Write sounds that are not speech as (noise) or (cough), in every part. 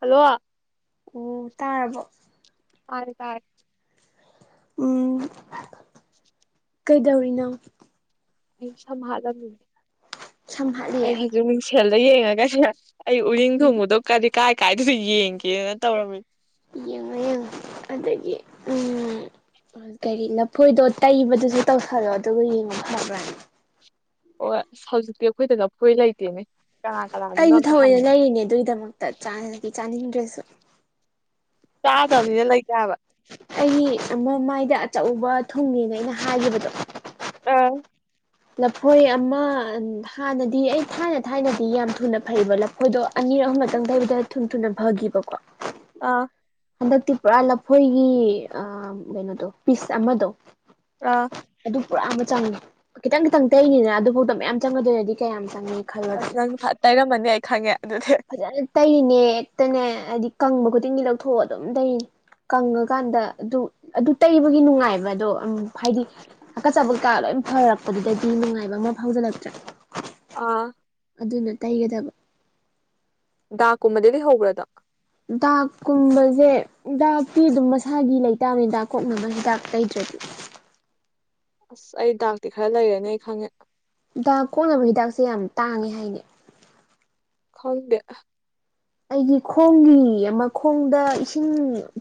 Hello ꯑꯣ ꯇꯥꯔꯕꯣ ꯇꯥꯔꯦ ꯇꯥꯔꯦ ꯎꯝ ꯀꯩꯗꯧꯔꯤꯅꯣ ꯁꯝ ꯍꯠꯂꯥꯝꯃꯤꯅꯦ ꯁꯝꯍꯠꯂꯤꯦ ꯀꯩꯊꯦꯜꯗ ꯌꯦꯡꯉꯒ ꯑꯩ ꯎꯔꯤꯡ ꯊꯣꯡꯕꯗꯣ ꯀ ꯀꯥꯏ ꯀꯥꯏꯗꯁꯨ ꯌꯦꯡꯒꯦꯅ ꯇꯧꯔꯝꯃꯤ ꯌꯦꯡꯉ ꯌꯦꯡꯉ ꯑꯗꯒꯤ ꯎꯝ ꯀꯔꯤ ꯂꯐꯣꯏꯗꯣ ꯇꯩꯕꯗꯨꯁꯨ ꯇꯧꯁꯜꯂꯣ ꯑꯗꯨꯒ ꯌꯦꯡꯉꯣ ꯐꯕ꯭ꯔꯅꯤ ꯑꯣ ꯑꯁ ꯍꯧꯖꯤꯛꯇꯤ ꯑꯩꯈꯣꯏꯗꯅꯐꯣꯏ ꯂꯩꯇꯦꯅꯦ ꯀꯅꯥ ꯀꯅꯥꯒꯤꯅꯣ ꯀꯁꯨ ꯑꯝꯇ ꯊꯑꯣꯏꯅ ꯍꯪꯉꯨꯒꯦ ꯂꯩꯔꯤꯅꯦ ꯑꯗꯨꯒꯤꯗꯃꯛꯇ ꯆꯥꯅꯤꯡꯗ꯭ꯔꯁꯨ ꯆꯥꯗꯕꯅꯤꯅ ꯂꯩꯇꯦ ꯍꯥꯏꯕ ꯑꯩ ꯃꯃꯥꯏꯗ ꯆꯥꯛꯎꯕ ꯊꯨꯡꯉꯅ ꯑꯩꯅ ꯍꯥꯏꯈꯤꯕꯗꯣ ꯑꯥ ꯂꯐꯣꯏ ꯑꯃ ꯍꯥꯟꯅꯗꯤ ꯑꯩ ꯊꯥꯏꯅ ꯊꯥꯏꯅꯗꯤ ꯌꯥꯝ ꯊꯨꯅ ꯐꯩꯕ ꯍꯣꯏꯗꯣ ꯑꯅꯤꯔꯛꯍꯃꯇꯪꯗꯕꯤꯗ ꯊꯨ ꯊꯨꯅ ꯐꯈꯤꯕꯀꯣ ꯑꯥ ꯍꯟꯗꯛꯇꯤ ꯄꯨꯔꯥ ꯂꯐꯣꯏꯒꯤ ꯑ ꯀꯩꯅꯣꯗꯣ ꯄꯤꯁ ꯑꯃꯗꯣ ꯑꯥ ꯑꯗꯨ ꯄꯨꯔꯥ ꯑꯃ ꯆꯪꯉ ꯈꯤꯇꯪ ꯈꯤꯇꯪ ꯇꯩꯅꯤꯅ ꯑꯗꯨꯐꯥꯎꯗ ꯃꯌꯥꯝ ꯆꯪꯒꯗꯣꯏꯔꯗꯤ ꯀꯌꯥꯝ ꯆꯪꯉꯤ ꯑꯁ ꯅꯪ ꯐ ꯇꯩꯔꯝꯃꯅꯤ ꯑꯩ ꯈꯪꯉꯦ ꯑꯗꯨꯗꯤ ꯐꯖꯅ ꯇꯩꯔꯤꯅꯦ ꯍꯦꯛꯇꯅꯦ ꯍꯥꯏꯗꯤ ꯀꯪꯕ ꯈꯨꯗꯤꯡꯒꯤ ꯂꯧꯊꯣꯛꯑ ꯑꯗꯨꯝ ꯇꯩꯔꯤꯅꯦ ꯀꯪꯉꯀꯥꯟꯗ ꯑꯗꯨ ꯑꯗꯨ ꯇꯩꯕꯒꯤ ꯅꯨꯡꯉꯥꯏꯕ ꯑꯗꯣ ꯍꯥꯏꯗꯤ ꯍꯥꯀꯠ ꯆꯕ ꯀꯥ ꯂꯣꯏ ꯁꯨꯝ ꯐꯔꯛꯄꯗꯨꯗꯗꯤ ꯅꯨꯡꯉꯥꯏꯕ ꯑꯃ ꯐꯥꯎꯖꯤꯜꯂꯛꯇ꯭ꯔꯦ ꯑꯥ ꯑꯗꯨꯅ ꯇꯩꯒꯗꯕ ꯗꯥꯛꯀꯨꯝꯕꯗꯗꯤ ꯍꯧꯕ꯭ꯔꯗ ꯗꯥꯛꯀꯨꯝꯕꯁꯦ ꯗꯥꯛꯄꯤꯤ ꯑꯗꯨꯝ ꯃꯁꯥꯒꯤ ꯂꯩꯇꯥꯕꯅꯤꯗꯥꯛ ꯀꯣꯛꯅꯕ ꯍꯤꯗꯥꯛ ꯇꯩꯇ꯭ꯔꯗꯤ (inaudible) ꯑꯁ ꯑꯩ ꯗꯥꯛꯇꯤ ꯈꯔ ꯂꯩꯔꯅꯦ ꯑꯩ ꯈꯪꯉꯦ ꯗꯥꯛ ꯀꯣꯛꯅꯕ ꯍꯤꯗꯥꯛꯁꯦ ꯌꯥꯝ ꯇꯥꯡꯉꯦ ꯍꯥꯏꯅꯤ ꯈꯪꯗꯦ ꯑꯩꯒꯤ ꯈꯣꯡꯒꯤ ꯑꯃ ꯈꯣꯡꯗ ꯏꯁꯤꯡ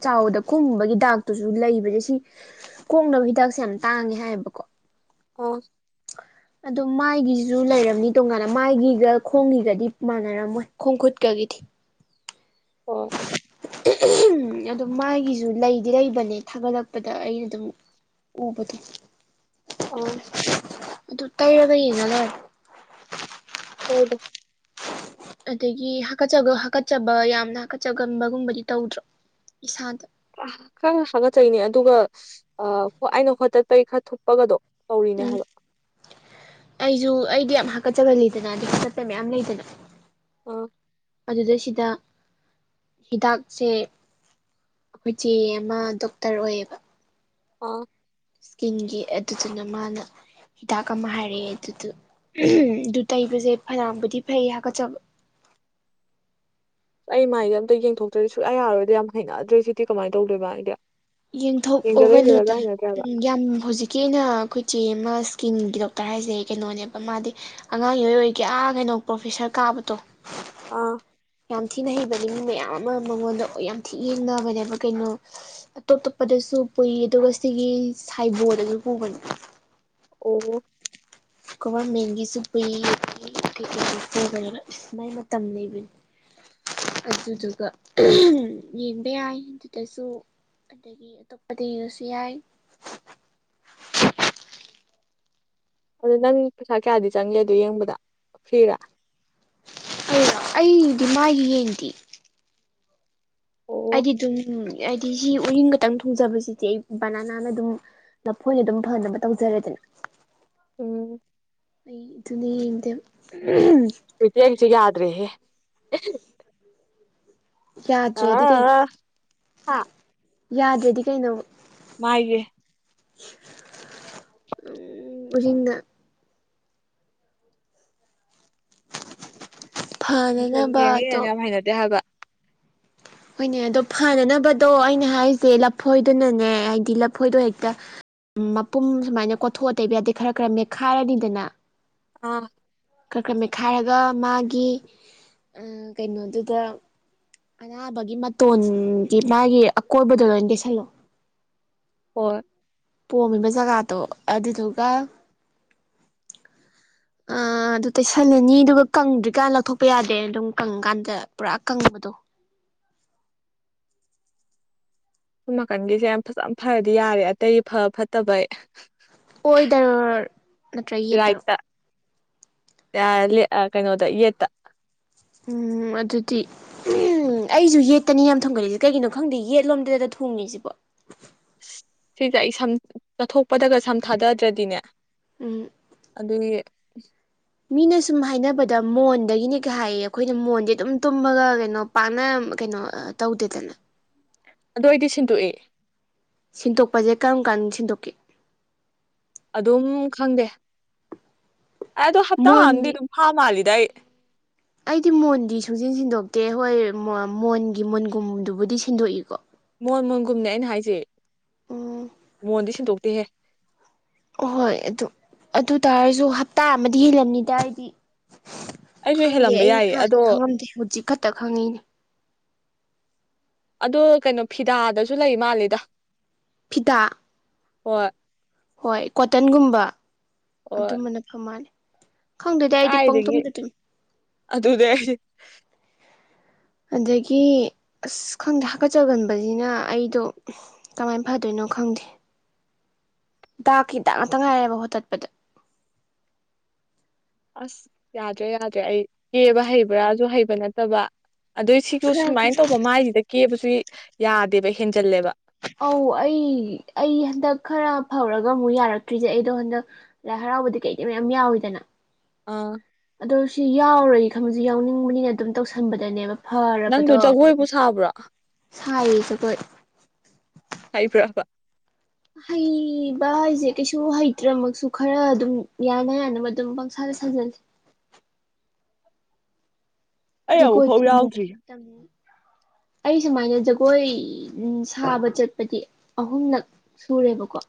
ꯆꯥꯎꯕꯗ ꯈꯨꯝꯕꯒꯤ ꯗꯥꯛꯇꯨꯁꯨ ꯂꯩ ꯁꯦ ꯁꯤ ꯀꯣꯡꯅꯕ ꯍꯤꯗꯥꯛꯁꯦ ꯌꯥꯝ ꯇꯥꯡꯉꯦ ꯍꯥꯏꯌꯦꯕꯀꯣ ꯑꯣ ꯑꯗꯣ ꯃꯥꯏꯒꯤꯁꯨ ꯂꯩꯔꯝꯅꯤ ꯇꯣꯡꯉꯥꯟꯅ ꯃꯥꯏꯒꯤꯒ ꯈꯣꯡꯒꯤꯒꯗꯤ ꯃꯥꯟꯅꯔꯝꯃꯣꯏ ꯈꯣꯡ ꯈꯨꯨꯠ ꯀꯔꯤꯒꯤ ꯍꯣꯏ (inaudible) ꯑꯗꯨꯝ ꯃꯥꯒꯤꯁꯨ ꯂꯩꯗꯤ ꯂꯩꯕꯅꯦ ꯊꯥꯒꯠꯂꯛꯄꯗ ꯑꯩ ꯑꯗꯨꯝ ꯎꯕꯗꯣ ꯑꯥ ꯑꯗꯨ ꯇꯩꯔꯒ ꯌꯦꯡꯉ ꯂꯦ ꯍꯣꯏꯗ ꯑꯗꯒꯤ ꯍꯥꯀꯠꯆ ꯍꯥꯀꯠꯆꯕ ꯌꯥꯝꯅ ꯍꯥꯀꯠꯆꯒꯟꯕꯒꯨꯝꯕꯗꯤ ꯇꯧꯗ꯭ꯔꯣ ꯏꯁꯥꯗ ꯈꯔ ꯍꯥꯒꯠꯆꯩꯅꯦ ꯑꯗꯨꯒ ꯑꯩꯅ ꯍꯣꯠꯇꯠꯄꯒꯤ ꯈꯔ ꯊꯨꯞꯄꯒꯗꯣ ꯇꯧꯔꯤꯅꯦ ꯎꯝ ꯍꯥꯏꯕ ꯑꯩꯁꯨ ꯑꯩꯗꯤ ꯌꯥꯝ ꯍꯥꯀꯠꯆꯕ ꯂꯩꯗꯅ ꯑꯗꯨ ꯍꯥꯀꯠꯄ ꯃꯌꯥꯝ ꯂꯩꯗꯅ ꯑꯣ ꯑꯗꯨꯗꯩꯁꯤꯗ ꯍꯤꯗꯥꯛꯁꯦ ꯑꯩꯈꯣꯏ ꯆꯦ ꯑꯃ ꯗꯣꯛꯇꯔ ꯑꯣꯏꯌꯦꯕ ꯑ ꯏꯁꯀꯤꯟꯒꯤ ꯑꯗꯨꯗꯨꯅ ꯃꯥꯅ ꯍꯤꯗꯥꯛ ꯑꯃ ꯍꯥꯏꯔꯛꯑꯦ ꯑꯗꯨꯗ ꯑꯗꯨ ꯇꯩꯕꯁꯦ ꯐꯅꯌꯥꯝꯕꯨꯗꯤ ꯐꯩ ꯍꯥꯀꯠꯆꯕ ꯑꯩ ꯃꯥꯏꯗꯤ ꯑꯝꯇ ꯌꯦꯡꯊꯣꯛꯇ꯭ꯔꯗꯤ ꯁꯨꯛꯌꯥ ꯌꯥꯔꯣꯏꯗꯤ ꯌꯥꯝ ꯍꯩꯅꯗ꯭ꯔꯦ ꯁꯤꯗꯤ ꯀꯃꯥꯏꯅ ꯇꯧꯗꯣꯏꯕ ꯑꯩꯗꯤ ꯌꯦꯡꯊꯣꯛꯑꯣ ꯌꯦꯡꯖꯜꯂ ꯌꯦꯡꯖꯜꯂꯒ ꯀꯩꯅꯣꯗ ꯍꯩꯅꯗ꯭ꯔꯦ ꯍꯥꯏꯕ ꯎꯝ ꯌꯥꯝ ꯍꯧꯖꯤꯛꯀꯤ ꯑꯣꯏꯅ ꯑꯩꯈꯣꯏꯆꯦ ꯑꯃ ꯁ꯭ꯀꯤꯟꯒꯤ ꯗꯣꯛꯇꯔ ꯍꯥꯏꯁꯦ ꯀꯩꯅꯣꯅꯦꯕ ꯃꯥꯗꯤ ꯑꯉꯥꯡ ꯌꯏ ꯑꯣꯏꯒꯌꯥ ꯀꯩꯅꯣ ꯄ꯭ꯔꯣꯐꯦꯁꯔ ꯀꯥꯕꯗꯣ ꯑꯥ ꯌꯥꯝ ꯊꯤꯅ ꯍꯩꯕꯗꯤ ꯃꯤ ꯃꯌꯥꯝ ꯑꯃ ꯃꯉꯣꯟꯗ ꯌꯥꯝ ꯊꯤ ꯌꯦꯡꯅꯕꯅꯦꯕ ꯀꯩꯅꯣ ꯇꯣꯞ ꯇꯣꯞꯄꯗꯁꯨ ꯄꯨꯏ ꯑꯗꯨꯒ ꯁꯤꯒꯤ ꯁꯥꯏꯕꯣꯔꯗꯁꯨ ꯄꯨꯒꯅꯤ ꯑꯣ ꯀꯃꯔꯃꯦꯁꯨ ꯄꯥꯏꯅꯤ ꯑꯗꯨꯗꯨꯒ ꯌꯦꯡꯕ ꯌꯥꯏ ꯑꯗꯨꯗꯁꯨ ꯑꯗꯒꯤ ꯑꯇꯣꯞꯄꯗ ꯌꯦꯡꯉꯁꯨ ꯌꯥꯏ꯫ ꯑꯗꯨꯗ ꯅꯪ ꯄꯩꯁꯥ ꯀꯌꯥꯗꯤ ꯆꯪꯒꯦ ꯑꯗꯨ ꯌꯦꯡꯕꯗ ꯐ꯭ꯔꯤꯔꯥ꯫ ꯑꯣ ꯑꯩꯗꯤ ꯃꯥꯒꯤ ꯌꯦꯡꯗꯤ꯫ ꯑꯣ ꯑꯩꯗꯤ ꯑꯗꯨꯝ ꯍꯥꯏꯗꯤ ꯁꯤ ꯎꯔꯤꯡ ꯈꯛꯇꯪ ꯊꯣꯡꯖꯕꯁꯤꯗꯤ ꯑꯩ ꯕꯅꯤꯅꯥꯅ ꯑꯗꯨꯝ꯫ ꯅꯐꯣꯏꯅ ꯑꯗꯨꯝ ꯐꯅꯕ ꯇꯧꯖꯔꯦꯗꯅ꯫ ꯎꯝ꯫ ꯑꯩ ꯑꯗꯨꯅꯦ ꯌꯦꯡꯗꯦ꯫ ꯏꯇꯦꯡꯁꯨ ꯌꯥꯗ꯭ꯔꯦꯍꯦ꯫ ꯌꯥꯗ꯭ꯔꯦꯗꯤ ꯀꯩꯅꯣ ꯑꯥ ꯌꯥꯗ꯭ꯔꯦꯗꯤ ꯀꯩꯅꯣ꯫ ꯃꯥꯥꯏꯒꯦ꯫ ꯎꯔꯤꯡꯗ꯫ ꯁ ꯐꯅꯅꯕ ꯌꯦꯡꯉ ꯌꯦꯡꯉ ꯑꯗꯣ ꯌꯥꯝ ꯍꯩꯅꯗꯦ ꯍꯥꯏꯕ꯫ (unintelligible) ꯍꯣꯏꯅꯦ ꯑꯗꯣ ꯐꯅꯅꯕꯗꯣ ꯑꯩꯅ ꯍꯥꯏꯔꯤꯁꯦ ꯂꯐꯣꯏꯗꯨꯅꯅꯦ ꯍꯥꯏꯗꯤ ꯂꯐꯣꯏꯗꯣ ꯍꯦꯛꯇ꯫ ꯃꯄꯨꯝ ꯁꯨꯃꯥꯏꯅ ꯀꯣꯊꯣꯛꯑꯇꯩꯕ ꯌꯥꯗꯦ ꯈꯔ ꯈꯔ ꯃꯦꯠꯈꯥꯏꯔꯅꯤꯗꯅ꯫ ꯑꯥ꯫ ꯀꯔꯀꯔ ꯃꯦꯠꯈꯥꯏꯔꯒ ꯃꯥꯒꯤ ꯀꯩꯅꯣꯗꯨꯗ꯫ ꯑꯅꯥꯕꯒꯤ ꯃꯇꯣꯟꯒꯤ ꯃꯥꯒꯤ ꯑꯀꯣꯏꯕꯗꯣ ꯂꯣꯏ ꯇꯩꯁꯜꯂꯣ꯫ ꯍꯣꯏ꯫ ꯄꯣꯝꯃꯤꯕ ꯖꯒꯥꯗꯣ ꯑꯗꯨꯗꯨꯒ꯫ ꯑ ꯑꯗꯨ ꯇꯩꯁꯜꯂꯅꯤ ꯑꯗꯨꯒ ꯀꯪꯗ꯭ꯔꯤꯀꯥꯟ ꯂꯧꯊꯣꯛꯄ ꯌꯥꯗꯦ ꯑꯗꯨꯝ ꯀꯪꯉꯀꯥꯟꯗ ꯄꯨꯔꯥ ꯀꯪꯕꯗꯣ꯫ (inaudible) ꯁꯨꯝ ꯅꯥꯀꯟꯒꯤꯁꯦ ꯌꯥꯝ ꯐꯖꯅ ꯐꯔꯗꯤ ꯌꯥꯔꯦ ꯑꯇꯩ ꯐ ꯐꯠꯇꯕ꯫ ꯑꯣꯏꯗꯔ ꯅꯠꯇ꯭ꯔꯒ ꯌꯦꯇꯔꯣ꯫ ꯌꯔꯥꯂꯤ ꯀꯩꯅꯣꯗ ꯌꯦꯠꯇ꯫ ꯎꯝ ꯑꯗꯨꯗꯤ ꯎꯝ ꯑꯩꯁꯨ ꯌꯦꯠꯇꯅꯤ ꯌꯥꯝ ꯊꯣꯡꯒꯠꯜꯂꯤꯁꯦ ꯀꯩꯒꯤꯅꯣ ꯈꯪꯗꯦ ꯌꯦꯠꯂꯣꯝꯗꯗ꯫ ꯊꯨꯡꯉꯤꯁꯤꯕ꯫ ꯁꯤꯁꯦ ꯑꯩ ꯁꯝ ꯆꯠꯊꯣꯛꯄꯗꯒ ꯁꯝ ꯊꯥꯗꯗ꯭ꯔꯗꯤꯅꯦ꯫ ꯎꯝ ꯑꯗꯨꯒꯤ꯫ ꯃꯤꯅ ꯁꯨꯝ ꯍꯥꯏꯅꯕꯗ ꯃꯣꯟꯗꯒꯤꯅꯤ ꯀꯩ ꯍꯥꯏꯌꯦ ꯑꯩꯈꯣꯏꯅ ꯃꯣꯟꯁꯦ ꯑꯗꯨꯝ ꯇꯨꯝꯃꯒ ꯀꯩꯅꯣ ꯄꯥꯛꯅ꯫ ꯀꯩꯅꯣ ꯇꯧꯗꯦꯗꯅ꯫ ꯑꯗꯨ ꯑꯩꯗꯤ ꯁꯤꯟꯗꯣꯛꯏ꯫ ꯁꯤꯟꯗꯣꯛꯄꯁꯦ ꯀꯔꯝ ꯀꯥꯟꯗ ꯁꯤꯟꯗꯣꯛꯀꯦ꯫ ꯑꯗꯨꯝ ꯈꯪꯗꯦ ꯑꯩ ꯑꯗꯨꯗ ꯍꯞꯇꯥ ꯑꯃꯗꯤ ꯃꯣꯟꯗꯤ ꯑꯗꯨꯝ ꯐꯥ ꯃꯥꯜꯂꯤ꯫ ꯗꯦꯏ꯫ ꯑꯩꯗꯤ ꯃꯣꯟꯗꯤ ꯁꯨꯡꯆꯟ ꯁꯤꯟꯗꯣꯛꯇꯦ ꯍꯣꯏ ꯃꯣꯟꯒꯤ ꯃꯨꯟꯒꯨꯝꯗꯨꯕꯨꯗꯤ ꯁꯤꯟꯗꯣꯛꯏꯀꯣ꯫ ꯃꯣꯟ ꯃꯣꯟꯒꯨꯝꯅꯦ ꯑꯩꯅ ꯍꯥꯏꯁꯦ ꯎꯝ ꯃꯣꯟꯗꯤ ꯁꯤꯟꯗꯣꯛꯇꯦꯍꯦ꯫ ꯍꯣꯏ ꯑꯗꯨ ꯑꯗꯨ ꯇꯔꯁꯨ ꯍꯞꯇꯥ ꯑꯃꯗꯤ ꯍꯦꯜꯂꯝꯅꯤꯗ ꯍꯥꯏꯗꯤ꯫ ꯑꯩꯁꯨ ꯈꯪꯗꯦ ꯍꯦꯜꯂꯝꯕ ꯑꯩ ꯌꯥꯏꯌꯦ ꯍꯥꯟꯅꯗꯤ ꯑꯗꯣ ꯈꯪꯉꯝꯗꯦ ꯍꯧꯖꯤꯛ ꯈꯛꯇ ꯈꯪꯉꯤꯅꯦ꯫ ꯑꯗꯣ ꯀꯩꯅꯣ ꯐꯤꯗꯥꯗꯁꯨ ꯂꯩ ꯃꯥꯜꯂꯤꯗ꯫ ꯐꯤꯗ꯫ ꯍꯣ꯫ ꯍꯣꯏ ꯀꯣꯇꯟꯒꯨꯝꯕ ꯍꯣꯏ ꯑꯗꯨꯝꯕꯅ ꯐꯝꯅꯤ꯫ ꯀꯥꯏꯗꯒꯤ ꯑꯗꯨꯗ꯫ ꯑꯗꯒꯤ ꯑꯁ ꯈꯪꯗꯦ ꯍꯥꯀꯠꯆꯒꯟꯕꯁꯤꯅ ꯑꯩꯗꯣ ꯀꯃꯥꯏꯅ ꯐꯗꯣꯏꯅꯣ꯫ ꯈꯪꯗꯦ꯫ ꯗꯥꯛꯀꯤ ꯗꯥꯛ ꯉꯥꯛꯇ ꯉꯥꯏꯔꯦꯕ ꯍꯣꯇꯠꯄꯗ꯫ ꯑꯁ ꯌꯥꯗ꯭ꯔꯦ ꯌꯥꯗ꯭ꯔꯦ ꯑꯩ ꯀꯦꯕ ꯍꯩꯕ꯭ꯔꯥ ꯁꯨ ꯍꯩꯕ ꯅꯠꯇꯕ꯫ ꯑꯗꯨꯏ ꯁꯤꯒꯣ ꯈꯔ ꯁꯨꯃꯥꯏꯅ ꯈꯔ ꯇꯧꯕ ꯃꯥꯏꯁꯤꯗ ꯀꯦꯕꯁꯨ ꯌꯥꯗꯦꯕ ꯍꯦꯟꯖꯜꯂꯦꯕ꯫ ꯑꯧ ꯑꯩ ꯑꯩ ꯍꯟꯗꯛ ꯈꯔ ꯐꯧꯔꯒ ꯑꯃꯨꯛ ꯌꯥꯔꯛꯇ꯭ꯔꯤꯁꯦ ꯑꯩꯗꯣ ꯍꯟꯗꯛ ꯍ꯫ ꯌꯥꯎꯕꯗꯤ ꯀꯩ ꯀꯩꯅꯣ ꯃꯌꯥꯝ ꯌꯥꯎꯋꯤꯗꯅ ꯑꯥ꯫ ꯑꯗꯣ ꯁꯤ ꯌꯥꯎꯔꯣꯏ ꯈꯪꯕꯖꯦ ꯌꯥꯎꯅꯤꯡꯕꯅꯤꯅ ꯑꯗꯨꯝ ꯇꯧꯁꯟꯕꯗꯅꯦꯕ ꯅꯪꯗꯣ ꯐꯔꯕꯗꯣ ꯖꯒꯣꯏꯕꯨ ꯁꯥꯕ꯭ꯔꯣ ꯁꯥꯏꯌꯦ ꯖꯒꯣꯏ꯫ ꯍꯩꯕ꯭ꯔꯥꯕ꯫ ꯍꯩꯕ ꯍꯥꯏꯁꯦ ꯀꯩꯁꯨ ꯍꯩꯇ꯭ꯔꯃꯛꯁꯨ ꯈꯔ ꯑꯗꯨꯝ ꯌꯥꯅ ꯌꯥꯅꯕ ꯑꯗꯨꯝ ꯄꯪꯁꯥ (unintelligible) ꯁꯥꯖꯜꯂꯤ꯫ ꯑꯩ ꯑꯗꯣ ꯑꯈꯣꯏ ꯑꯃꯨꯛꯐꯥꯎ ꯌꯥꯎꯗ꯭ꯔꯤ (unintelligible) ꯑꯩ ꯁꯨꯃꯥꯏꯅ ꯖꯒꯣꯏ ꯎꯝ ꯁꯥꯕ ꯆꯠꯄꯗꯤ ꯑꯍꯨꯝꯂꯛ ꯁꯨꯔꯦꯕꯀꯣ꯫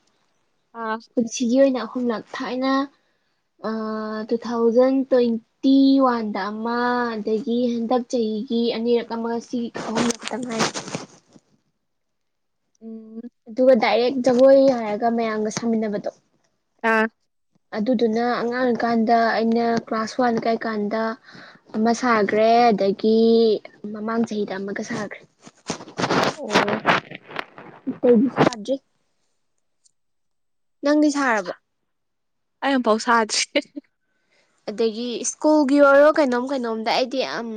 ꯑꯥ ꯄꯨꯟꯁꯤꯒꯤ ꯑꯣꯏꯅ ꯑꯍꯨꯝꯂꯛ ꯊꯥꯏꯅ ꯑ ꯇꯨ ꯊꯥꯎꯖꯟ ꯇ꯭ꯋꯦꯟꯇꯤ ꯋꯥꯟꯗ ꯑꯃ ꯑꯗꯒꯤ ꯍꯟꯗꯛ ꯆꯍꯤ ꯑꯗꯒꯤ ꯑꯅꯤꯔꯛ ꯑꯃ ꯁꯤ ꯑꯍꯨꯝꯂꯛ ꯈꯛꯇꯛ ꯉꯥꯏꯔꯤ (unintelligible) ꯎꯝ ꯗꯥꯏꯔꯦꯛ ꯖꯒꯣꯏ ꯍꯥꯏꯔꯒ ꯃꯌꯥꯝꯒ ꯁꯥꯃꯤꯟꯅꯕꯗꯣ ꯑꯥ꯫ ꯑꯗꯨꯗꯨꯅ ꯑꯉꯥꯡ ꯑꯣꯏꯔꯤ ꯀꯥꯟꯗ ꯑꯩꯅ ꯀ꯭ꯂꯥꯁ ꯋꯥꯟ ꯀꯔꯤ ꯀꯥꯟꯗꯥ ꯑꯃ ꯁꯥꯒ꯭ꯔꯦ ꯑꯗꯒꯤ ꯃꯃꯥꯡ ꯆꯍꯤꯗ ꯑꯃꯒ ꯁꯥꯒ꯭ꯔꯦ꯫ ꯑꯣ꯫ ꯑꯇꯩꯗꯤ ꯁꯥꯥꯗ꯭ꯔꯤ꯫ ꯅꯪꯗꯤ ꯁꯥꯔꯕꯣ꯫ ꯑꯩ ꯑꯃꯨꯛꯐꯥꯎ ꯁꯥꯗ꯭ꯔꯤ (unintelligible) ꯑꯗꯒꯤ ꯁ꯭ꯀꯨꯜꯒꯤ ꯑꯣꯏꯔꯣ ꯀꯩꯅꯣꯝ ꯀꯩꯅꯣꯝꯗ ꯑꯩꯗꯤ ꯑꯝ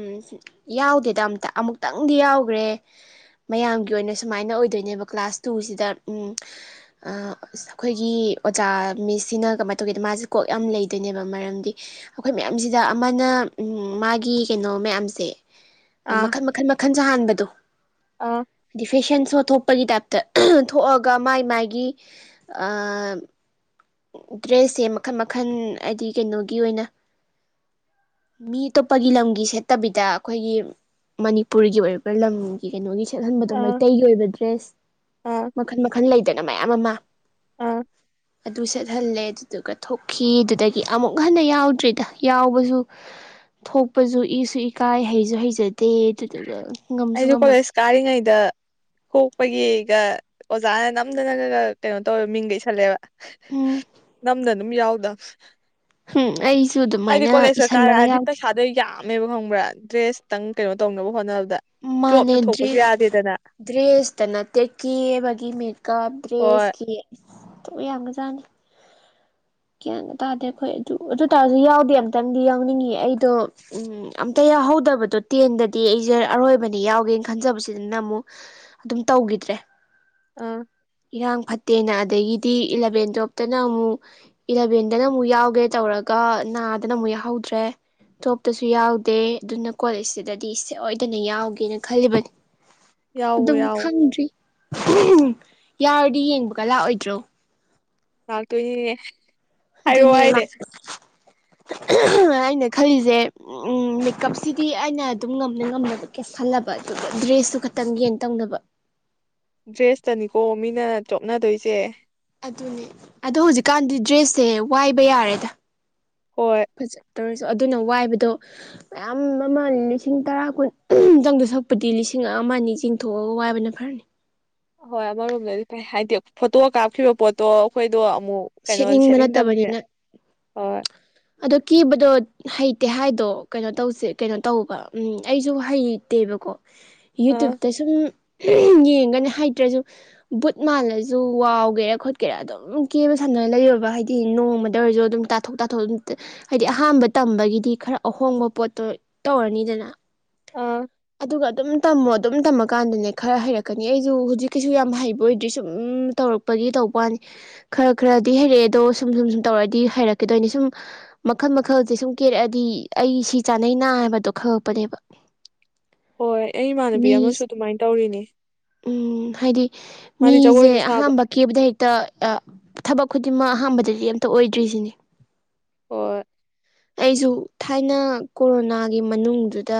ꯌꯥꯎꯗꯦꯗ ꯑꯝꯇ ꯑꯃꯨꯛ ꯇꯪꯗꯤ ꯌꯥꯎꯒ꯭ꯔꯦ꯫ ꯃꯌꯥꯝꯒꯤ ꯑꯣꯏꯅ ꯁꯨꯃꯥꯏꯅ ꯑꯣꯏꯗꯣꯏꯅꯦꯕ ꯀ꯭ꯂꯥꯁ ꯇꯨꯖꯤꯗ ꯎꯝ ꯑ ꯑꯩꯈꯣꯏꯒꯤ ꯑꯣꯖꯥ ꯃꯤꯁ ꯁꯤꯅ ꯀꯃꯥꯢ ꯇꯧꯒꯦꯗ ꯃꯥꯖꯦ ꯀꯣꯛ ꯌꯥꯝ ꯂꯩꯗꯣꯏꯅꯦꯕ ꯃꯔꯝꯗꯤ ꯑꯩꯈꯣꯏ ꯃꯌꯥꯝꯁꯤꯗ ꯑꯃꯅ ꯃꯥꯒꯤ ꯀꯩꯅꯣ ꯃꯌꯥꯝꯁꯦ ꯑꯥ ꯃꯈꯟ ꯃꯈꯟ ꯃꯈꯟ ꯁꯥꯍꯟꯕꯗꯣ ꯑꯥ ꯍꯥꯏꯗꯤ ꯐꯦꯁꯟ ꯁꯣ ꯊꯣꯛꯄꯒꯤ ꯇꯥꯏꯞꯇ ꯊꯣꯛꯑꯒ ꯃꯥꯏ ꯃꯥꯥꯏꯒꯤ ꯑ ꯗ꯭ꯔꯦꯁꯁꯦ ꯃꯈꯟ ꯃꯈꯟ ꯍꯥꯏꯗꯤ ꯀꯩꯅꯣꯒꯤ ꯑꯣꯏꯅ ꯃꯤ ꯑꯇꯣꯞꯄꯒꯤ ꯂꯝꯒꯤ ꯁꯦꯠꯇꯕꯤꯗ ꯑꯩꯈꯣꯏꯒꯤ ꯃꯅꯤꯄꯨꯔꯒꯤ ꯑꯣꯏꯔꯤꯕ ꯂꯝꯒꯤ ꯀꯩꯅꯣꯒꯩ ꯁꯦꯠꯍꯟꯕꯗꯣ ꯑꯥ ꯃꯩꯇꯩꯒꯤ ꯑꯣꯏꯕ ꯗ꯭ꯔꯦꯁ ꯑꯥ ꯃꯈꯜ ꯃꯈꯜ ꯂꯩꯗꯅ ꯃꯌꯥꯝ ꯑꯃ ꯑꯥ ꯑꯗꯨ ꯁꯦꯠꯍꯜꯂꯦ ꯑꯗꯨꯗꯨꯒ ꯊꯣꯛꯈꯤ ꯑꯗꯨꯗꯒꯤ ꯑꯃꯨꯛ ꯍꯟꯅ ꯌꯥꯎꯗ꯭ꯔꯤꯗ ꯌꯥꯎꯕꯖꯨ ꯊꯣꯛꯄꯖꯨ ꯏꯁꯨ ꯏꯀꯥꯏ ꯍꯩꯖꯨ ꯍꯩꯖ ꯑꯩꯁꯨ ꯀꯣꯂꯦꯖ ꯀꯥꯔꯤꯉꯩꯗ ꯊꯣꯛꯄꯒꯤꯒ ꯑꯣꯖꯥꯅ ꯅꯝꯗꯅꯒ ꯀꯩꯅꯣ ꯇꯧꯋꯦꯕ ꯃꯤꯡꯒ ꯏꯁꯜꯂꯦꯕ ꯎꯝ ꯅꯝꯗꯅ ꯑꯗꯨꯝ ꯌꯥꯎ (unintelligible) ꯍꯝ ꯑꯩꯁꯨ ꯍꯥꯏꯗꯤ ꯑꯗꯨꯃꯥꯏꯅ ꯀꯣꯂꯦꯁ ꯀ ꯏꯁꯜꯂꯒ ꯀꯥꯔꯛꯑꯗꯤ ꯌꯥꯎꯗꯦ ꯄꯩꯁꯥꯗꯣ ꯌꯥꯝ ꯃꯦꯕ ꯈꯪꯕ꯭ꯔꯥ ꯗ꯭ꯔꯦꯁꯇꯪ ꯀꯩꯅꯣ ꯇꯧꯅꯕ ꯍꯣꯠꯅꯕꯗ ꯆꯣꯞꯅ ꯃꯥꯅꯦ ꯊꯣꯛꯄꯁꯨ ꯗ꯭ꯔꯦꯁ ꯌꯥꯗꯦꯗꯅ ꯗ꯭ꯔꯦꯁꯇ ꯅꯠꯇꯦ ꯀꯦꯕꯒꯤ ꯃꯦꯀꯞ ꯗ꯭ꯔꯦꯁ ꯍꯣꯏ ꯀꯤ (unintelligible) ꯌꯥꯝꯒꯔꯥ ꯖꯥꯠꯅꯦ ꯒ꯭ꯌꯥꯟꯒ ꯇꯥꯗꯦ ꯑꯩꯈꯣꯏ ꯑꯗꯨ ꯑꯗꯨ ꯑꯣꯢ ꯇꯥꯔꯖꯨ ꯌꯥꯎꯗꯤ ꯑꯝꯇꯪꯗꯤ ꯌꯥꯎꯅꯤꯡꯉꯤ ꯑꯩꯗꯣ ꯎꯝ ꯑꯝꯇ ꯌꯥꯥꯍꯧꯗꯕꯗꯣ ꯇꯦꯟꯗꯗꯤ ꯑꯩꯁꯦ ꯑꯔꯣꯏꯕꯅꯤ ꯌꯥꯎꯒꯦꯅ ꯈꯟꯖꯕꯁꯤꯗꯅ ꯑꯃꯨꯛ ꯑꯗꯨꯝ ꯇꯧꯒꯤꯗ꯭ꯔꯦ꯫ (unintelligible) ꯑꯥ ꯏꯔꯥꯡ ꯐꯠꯇꯦꯅ ꯑꯗꯒꯤꯗꯤ ꯏꯂꯚꯦꯟ ꯇꯨꯋꯦꯞꯇꯅ ꯑꯃꯨꯛ ꯏꯂꯚꯦꯟꯗꯅ ꯑꯃꯨꯛ ꯌꯥꯎꯒꯦ ꯇꯧꯔꯒ ꯅꯥꯗꯅ ꯑꯃꯨꯛ ꯌꯥꯎꯍꯧꯗ꯭ꯔꯦ꯫ ꯇꯣꯞꯁꯨ ꯌꯥꯎꯗꯦ ꯑꯗꯨꯅ ꯀꯣꯂꯖꯁꯤꯗꯗꯤ ꯁꯣꯏꯗꯅ ꯌꯥꯎꯒꯦꯅ ꯈꯜꯂꯤꯕꯅꯤ꯫ ꯌꯥꯎꯋꯣ ꯑꯗꯨꯝ ꯌꯥꯎꯋꯣ ꯈꯪꯗ꯭ꯔꯤ (unintelligible) ꯌꯥꯎꯔꯗꯤ ꯌꯦꯡꯕꯒ ꯂꯥꯛꯑꯣꯏꯗ꯭ꯔꯣ꯫ ꯍ ꯇꯨ ꯑꯗꯨꯅꯦ ꯑꯩꯅ ꯈꯜꯂꯤꯁꯦ ꯎ ꯎꯝ ꯃꯦꯀꯞꯁꯤꯗꯤ ꯑꯩꯅ ꯑꯗꯨꯝ ꯉꯝꯅ ꯉꯝꯅꯕ ꯀꯌꯥ ꯈꯜꯂꯕ ꯑꯗꯨꯒ ꯗ꯭ꯔꯦꯁꯇꯨ ꯈꯛꯇꯪ ꯌꯦꯟ ꯇꯧꯅꯕ (inaudible) ꯗ꯭ꯔꯦꯁꯇꯅꯤꯀꯣ ꯃꯤꯅ ꯆꯣꯞꯅꯗꯣꯏꯁꯦ ꯑꯗꯨꯅꯦ ꯑꯗꯣ ꯍꯧꯖꯤꯛꯀꯥꯟꯗꯤ ꯗ꯭ꯔꯦꯁꯁꯦ ꯋꯥꯏꯕ ꯌꯥꯔꯦꯗ ꯍꯣꯏ ꯇꯧꯔꯁꯨ ꯑꯗꯨꯅ ꯋꯥꯏꯕꯗꯣ ꯃꯌꯥꯝ ꯑꯃ ꯂꯤꯁꯤꯡ ꯇꯔꯥ ꯀꯨꯟꯇꯪꯗ ꯁꯛꯄꯗꯤ ꯂꯤꯁꯤꯡ ꯁꯤꯡꯉꯑ ꯑꯅꯤ ꯆꯤꯡꯊꯣꯛꯑꯒ ꯋꯥꯏꯕꯅ ꯐꯔꯅꯤ ꯑꯣꯏ ꯑꯃꯔꯣꯝꯗꯗꯤ ꯀꯩ ꯍꯥꯏꯗꯤ ꯐꯣꯇꯣ ꯀꯥꯞꯈꯤꯕ ꯄꯣꯠꯇꯣ ꯑꯩꯈꯣꯏꯗꯣ ꯑꯃꯨꯛ ꯀꯩꯅꯣ ꯁꯦꯠꯅꯤꯡꯕ ꯁꯦꯠꯅꯤꯡꯗꯕꯅꯤꯅ ꯅꯠꯇꯕꯅꯤꯅ ꯍꯣꯏ ꯑꯗꯣ ꯀꯤꯕꯗꯣ ꯍꯩ ꯇꯦ ꯍꯥꯏꯗꯣ ꯀꯩꯅꯣ ꯇꯧꯁꯦ ꯀꯩꯅꯣ ꯇꯧꯕ ꯎꯝ ꯑꯩꯁꯨ ꯍꯩꯇꯦꯕꯀꯣ ꯑꯥ ꯌꯨꯇꯌꯨꯕ ꯇꯁꯨꯨꯝ ꯌꯦꯡꯒꯅꯤ ꯍꯩꯇ꯭ꯔꯁꯨ ꯕꯨꯠ ꯃꯥꯜꯂꯁꯨ ꯋꯥꯎꯒꯦꯔꯥ ꯈꯣꯠꯀꯦꯔꯥ ꯑꯗꯨꯝ ꯀꯦꯕ ꯁꯝꯅꯅ ꯂꯩꯔꯣꯕ ꯍꯥꯏꯗꯤ ꯅꯣꯡꯃꯗ ꯑꯣꯏꯔꯁꯨ ꯑꯗꯨꯝ ꯇꯥꯊꯣꯛ ꯇꯥꯊꯣꯛ ꯑꯗꯨꯝ ꯍꯥꯏꯗꯤ ꯑꯍꯝꯕ ꯇꯝꯕꯒꯤꯗꯤ ꯈꯔ ꯑꯍꯣꯡꯕ ꯄꯣꯠꯇꯣ ꯇꯧꯔꯅꯤꯗꯅ ꯑ ꯑꯗꯨꯒ ꯑꯗꯨꯝ ꯇꯝꯃꯣ ꯑꯗꯨꯝ ꯇꯝꯃꯀꯥꯟꯗꯅꯦ ꯈꯔ ꯍꯩꯔꯛꯀꯅꯤ ꯑꯩꯁꯨ ꯍꯧꯖꯤꯛꯀꯤꯁꯨ ꯌꯥꯝ ꯍꯩꯕ ꯑꯣꯏꯗ꯭ꯔꯤ ꯁꯨꯝ ꯇꯧꯔꯛꯦ ꯈ ꯈꯔ ꯍꯔꯑꯦ ꯑꯣ ꯁꯨꯝ ꯁꯨꯝ ꯁꯨꯝ ꯇꯧꯔ ꯍꯔꯗꯣꯏ ꯁꯨꯝ ꯃꯈꯜ ꯃꯈꯜꯁꯦ ꯁꯨꯝ ꯀꯦꯔꯛꯑꯗꯤ ꯑꯩ ꯁꯤ ꯆꯥꯅꯩꯩꯅ ꯍꯥꯏꯕꯗꯣ ꯈꯪꯉꯛꯄꯅꯦꯕ ꯍꯣꯏ ꯑꯩ ꯏꯃꯥꯟꯅꯕꯤ ꯃꯤ ꯑꯃꯁꯨ ꯑꯗꯨꯃꯥꯏꯅ ꯇꯧꯔꯤꯅꯦ ꯎꯝ ꯍꯥꯏꯗꯤ ꯃꯥꯗꯤ ꯃꯤꯁꯦ ꯖꯒꯣꯏꯁꯨ ꯁꯥꯕ ꯑꯍꯝꯕ ꯀꯦꯞꯇ ꯍꯦꯛ ꯊꯕꯛ ꯈꯨꯗꯤꯡꯃꯛ ꯑꯍꯥꯟꯕꯗꯗꯤ ꯑꯝꯇ ꯑꯣꯏꯗ꯭ꯔꯤꯁꯤꯅꯦ ꯑꯣ ꯑꯩꯁꯨ ꯊꯥꯏꯅ ꯀꯣꯔꯣꯅꯥꯒꯤ ꯃꯅꯨꯡꯗꯨꯗ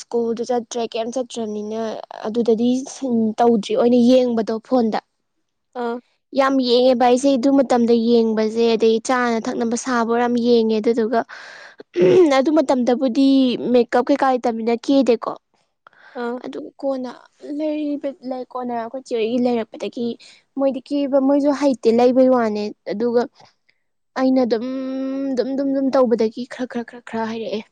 ꯁ꯭ꯀꯨꯜꯗꯨ ꯆꯠꯇ꯭ꯔꯦ ꯀꯩꯝ ꯆꯠꯇ꯭ꯔꯕꯅꯤꯅ ꯑꯗꯨꯗꯗꯤ ꯇꯧꯗ꯭ꯔꯤ ꯑꯣꯏꯅ ꯌꯦꯡꯕꯗꯧ ꯎꯐꯣꯟꯗ ꯑꯥ ꯌꯥꯝ ꯌꯦꯡꯉꯦ ꯚ ꯑꯩꯁꯦ ꯑꯗꯨ ꯃꯇꯝꯗ ꯌꯦꯡꯕꯁꯦ ꯑꯗꯩ ꯆꯥꯅ ꯊꯛꯅꯕ ꯁꯥꯕ ꯌꯥꯝ ꯌꯦꯡꯉꯦ ꯑꯗꯨꯗꯨꯒ ꯎ ꯑꯗꯨ ꯃꯇꯝꯗꯕꯨꯗꯤ ꯃꯦꯀꯞ ꯀꯩꯀꯥ ꯂꯩꯇꯃꯤꯅ ꯀꯦꯗꯦꯀꯣ ꯑꯥ ꯑꯗꯨ ꯀꯣꯟꯅ ꯂꯩꯔꯤꯕ ꯂꯩ ꯀꯣꯟꯅ ꯑꯩꯈꯣꯏ ꯆꯤꯣꯏꯒꯤ ꯂꯩꯔꯛꯄꯗꯒꯤ ꯃꯣꯏꯗꯤ ꯀꯤꯕ ꯃꯣꯏꯁꯨ ꯍꯩꯇꯦ ꯂꯩꯕ ꯑꯗꯨꯒ ꯑꯩꯅ ꯑꯗꯨꯝ ꯑꯗꯨꯝ ꯑꯗꯨꯝ ꯇꯧꯕꯗꯒꯤ ꯈꯔ ꯈꯔ ꯈꯔ ꯈꯔ ꯍꯥꯏꯔꯛꯑꯦ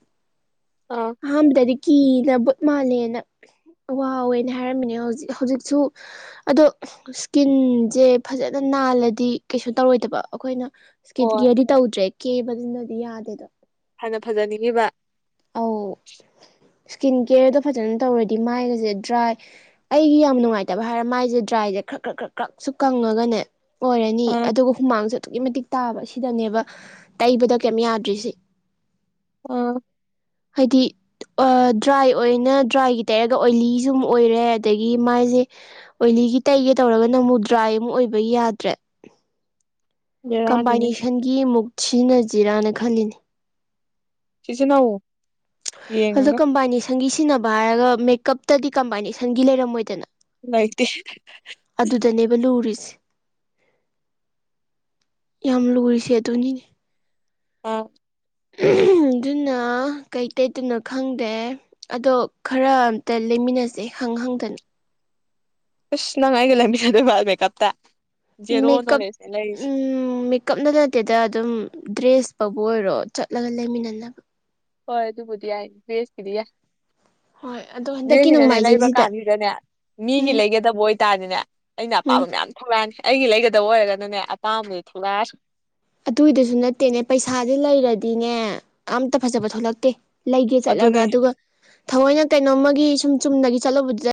ꯑꯥ ꯑꯍꯥꯟꯕꯗꯗꯤ ꯀꯤꯅꯕ ꯃꯥꯂꯅ ꯋꯥꯋꯦꯅ ꯍꯥꯏꯔꯝꯃꯤꯅꯦ ꯍꯧꯖꯤꯛ ꯍꯧꯖꯤꯛꯁꯨ ꯑꯗꯣ ꯏꯁꯀꯤꯟꯁꯦ ꯐꯖꯅ ꯅꯥꯜꯂꯗꯤ ꯀꯩꯁꯨ ꯇꯧꯔꯣꯏꯗꯕ ꯑꯩꯈꯣꯏꯅ ꯏꯁꯀꯤꯟ ꯍꯣꯏ ꯀꯦꯌꯔꯗꯤ ꯇꯧꯗ꯭ꯔꯦ ꯀꯦꯕꯗꯨꯅꯗꯤ ꯌꯥꯗꯦꯗꯣ ꯍꯅ ꯐꯖꯅꯤꯡꯈꯤꯕ ꯁꯀꯤꯟ ꯀꯦꯌꯔꯗꯣ ꯐꯖꯅ ꯇꯧꯔꯗꯤ ꯃꯥꯏꯒꯁꯦ ꯗ꯭ꯔꯥꯏ ꯑꯩꯒꯤ ꯌꯥꯝ ꯅꯨꯡꯉꯥꯏꯇꯕ ꯍꯥꯏꯔꯦ ꯃꯥꯏꯁꯦ ꯗ꯭ꯔꯥꯏꯁꯦ ꯈꯛ ꯈ ꯈ ꯈꯛꯁꯨ ꯀꯪꯉꯒꯅꯦ ꯑꯣꯏꯔꯅꯤ ꯑꯥ ꯑꯗꯨꯒ ꯍꯨꯃꯥꯡꯁꯨ ꯑꯗꯨꯛꯀꯤ ꯃꯇꯤꯛ ꯇꯥꯕ ꯁꯤꯗꯅꯦꯕ ꯇꯩꯕꯗ ꯀꯩꯝ ꯌꯥꯗ꯭ꯔꯤꯁꯦ ꯎ ꯍꯥꯏꯗꯤ ꯗ꯭ꯔꯥꯏ ꯑꯣꯏꯅ ꯗ꯭ꯔꯥꯏꯒꯤ ꯇꯩꯔꯒ ꯑꯣꯏꯂꯤ ꯁꯨꯝ ꯑꯣꯏꯔꯦ ꯑꯗꯒꯤ ꯃꯥꯏꯁꯦ ꯑꯣꯏ ꯑꯩꯒꯤ ꯇꯩꯒꯦ ꯇꯧꯔꯒ ꯅꯃꯨꯗ꯭ꯔꯥꯏ ꯑꯃ ꯑꯣꯏꯕ ꯌꯥꯗ꯭ꯔꯦ ꯕꯦꯔꯥꯅꯤꯅꯦ ꯀꯝꯕꯥꯏꯅꯦꯁꯟꯒꯤ ꯃꯨꯛ ꯁꯤꯖꯤꯅ ꯖꯤꯔꯥꯅ ꯈꯜꯂꯤꯅꯤ ꯁꯤꯁꯤꯅꯎ ꯑꯣ ꯀꯝꯕꯥꯏꯅꯦꯁꯟꯒꯤ ꯁꯤꯖꯤꯟꯅꯕ ꯍꯥꯏꯔꯒ ꯃꯦꯀꯞꯇꯗꯤ ꯀꯝꯕꯥꯏꯅꯦꯁꯟꯒꯤ ꯂꯩꯔꯝꯃꯣꯏꯗꯅ ꯂꯩꯇꯦ ꯑꯗꯨꯗꯅꯦꯕ ꯂꯨꯔꯤꯁꯦ ꯌꯥꯝ ꯂꯔꯤꯁꯤꯦ ꯑꯗꯨꯅꯤ ꯑ (unintelligible) ꯑꯗꯨꯅ ꯀꯩꯀꯩꯗꯅꯣ ꯈꯪꯗꯦ ꯑꯗꯣ ꯈꯔ ꯑꯝꯇ ꯂꯩꯃꯤꯟꯅꯁꯦ ꯈꯪꯉ ꯍꯪꯗ ꯀꯁ ꯅꯪꯥꯏꯒ ꯂ ꯑꯗꯨꯣꯕꯥꯥꯕꯞꯇ ꯃꯦꯀꯞ ꯃꯦꯀꯞ ꯅꯠꯇꯗꯦꯗ ꯑꯗꯨꯝ ꯗ꯭ꯔꯦꯁ ꯄꯕꯨ ꯑꯣꯏꯔꯣ ꯆꯠꯂꯒ ꯂꯩꯃꯤꯟꯅꯅꯕ ꯍꯣꯏ ꯑꯗꯨꯕꯨꯗꯤ ꯌꯥꯏ ꯕꯦꯁ ꯀꯗ ꯍꯣꯏ ꯑꯗꯣ ꯍꯟꯗꯛꯀꯤ ꯂꯩꯕ ꯅꯣꯡꯃꯥꯏꯖꯤꯡꯁꯤꯗ ꯀꯥꯟꯁꯤꯗꯅꯦ ꯃꯤꯒꯤ ꯎꯝ ꯂꯩꯒꯗꯕ ꯑꯣꯏꯇꯥꯔꯗꯤꯅꯦ ꯑꯩꯅ ꯎꯝ ꯑꯄꯥꯝꯕ ꯃꯌꯥꯝ ꯊꯣꯛꯂꯛꯑꯅꯤ ꯑꯩꯒꯤ ꯂꯩꯒꯗꯕ ꯑꯣꯏꯔꯒꯅꯅꯦ ꯑꯄꯥꯝꯕꯗꯤ ꯊꯣꯛꯂꯛꯑꯁꯤ ꯑꯗꯨꯏꯗꯁꯨ ꯅꯠꯇꯦꯅꯦ ꯄꯩꯁꯥꯥꯁꯦ ꯂꯩꯔꯗꯤꯅꯦ ꯑꯝꯇ ꯐꯖꯕ ꯊꯣꯛꯂꯛꯇꯦ ꯂꯩꯒꯦ ꯆꯠꯂꯒ ꯑꯗꯨꯅꯦ ꯑꯗꯨꯒ ꯊꯑꯣꯏꯅ ꯀꯩꯅꯣꯃ ꯁꯨꯝ ꯆꯨꯝꯅꯗꯒꯤ ꯆꯠꯂꯨꯕꯗꯨꯗ